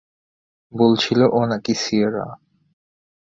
বলছিল ও নাকি সিয়েরা।